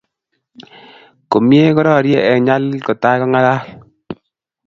Komie korarie eng nyalil kotai ko ngalal